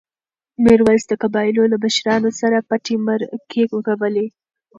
میرویس د قبایلو له مشرانو سره پټې مرکې کولې.